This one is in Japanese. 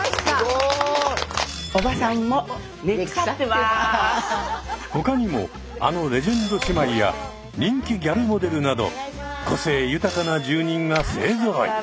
おばさんも他にもあのレジェンド姉妹や人気ギャルモデルなど個性豊かな住人が勢ぞろい。